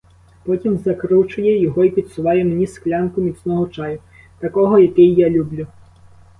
Потім закручує його й підсуває мені склянку міцного чаю, такого, який я люблю.